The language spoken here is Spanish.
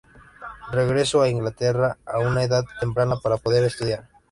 Regresó a Inglaterra a una edad temprana, para poder estudiar.